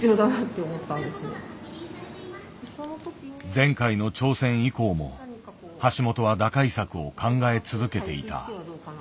前回の挑戦以降も橋本は打開策を考え続けていた。